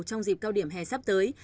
trong dịp cao điểm hè sắp tới